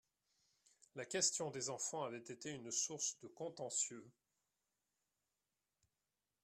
La question des enfants avait été une source de contentieux